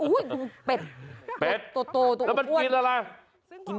อุ้ยเป็ดตัวตัวอ้วนแล้วมันกินอะไร